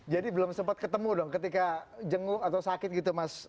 jadi belum sempat ketemu dong ketika jenguk atau sakit gitu mas butet ya